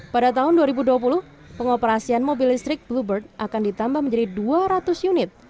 pada tahun dua ribu dua puluh pengoperasian mobil listrik bluebird akan ditambah menjadi dua ratus unit